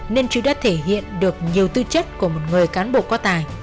nên chú đã thể hiện được nhiều tư chất của một người cán bộ có tài